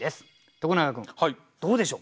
徳永君どうでしょうか？